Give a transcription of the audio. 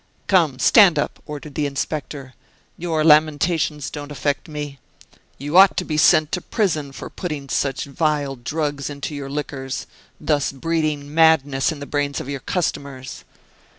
"Come, stand up!" ordered the inspector. "Your lamentations don't affect me. You ought to be sent to prison for putting such vile drugs into your liquors, thus breeding madness in the brains of your customers."